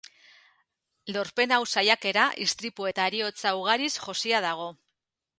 Lorpen hau saiakera, istripu eta heriotza ugariz josia dago.